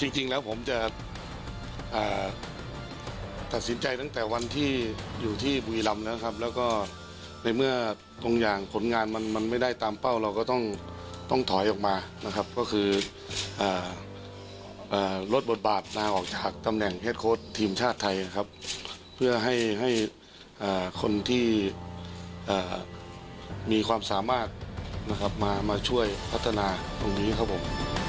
ทีมชาติไทยครับเพื่อให้คนที่มีความสามารถมาช่วยพัฒนาตรงนี้ครับผม